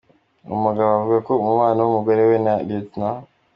Uwo mugabo avuga ko umubano w’umugore we na Lt.